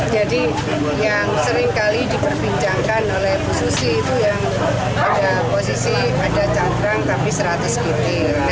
jadi yang seringkali diperbincangkan oleh pususi itu yang ada posisi ada cantrang tapi seratus gt